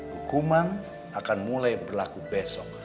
hukuman akan mulai berlaku besok